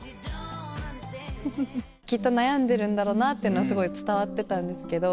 きっと悩んでるんだろなっていうのはすごい伝わってたんですけど。